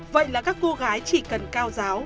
vậy là các cô gái chỉ cần cao giáo